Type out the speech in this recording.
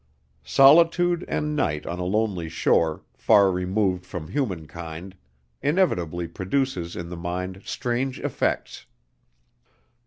Solitude and night on a lonely shore, far removed from human kind, inevitably produces in the mind strange effects.